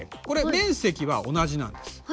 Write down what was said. これ面積は同じなんです。